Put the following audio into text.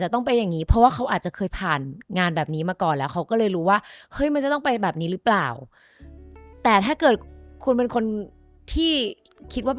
ที่คิดว่าเป็นคนสมัยใหม่อะไรอย่างนี้ค่ะ